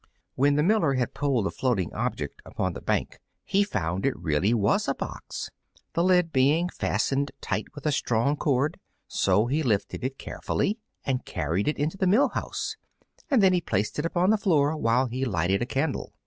When the miller had pulled the floating object upon the bank he found it really was a box, the lid being fastened tight with a strong cord. So he lifted it carefully and carried it into the mill house, and then he placed it upon the floor while he lighted a candle.